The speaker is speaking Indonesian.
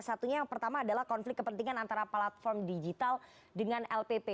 satunya yang pertama adalah konflik kepentingan antara platform digital dengan lpp